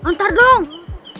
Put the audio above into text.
ntar dong lagi makan